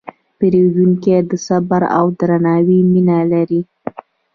پیرودونکی د صبر او درناوي مینه لري.